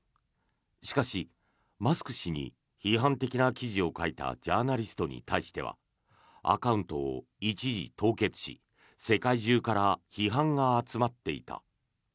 しかし、マスク氏に批判的な記事を書いたジャーナリストに対してはアカウントを一時凍結し世界中から批判が集まっていた。